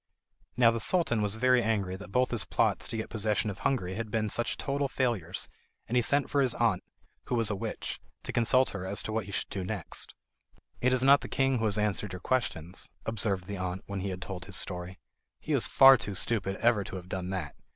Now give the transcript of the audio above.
Now the Sultan was very angry that both his plots to get possession of Hungary had been such total failures, and he sent for his aunt, who was a witch, to consult her as to what he should do next. "It is not the king who has answered your questions," observed the aunt, when he had told his story. "He is far too stupid ever to have done that!